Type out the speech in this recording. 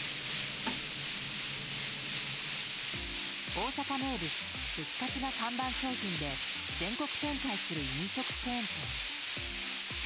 大阪名物、串カツが看板商品で全国展開する飲食チェーン店。